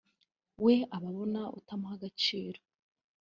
we aba abona utamuha agaciro